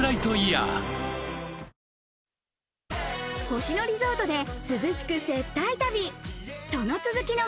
星野リゾートで涼しく接待旅。